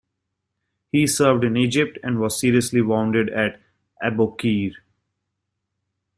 He served in Egypt, and was seriously wounded at Aboukir.